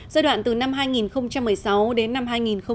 giai đoạn từ năm hai nghìn một mươi sáu đến năm hai nghìn hai mươi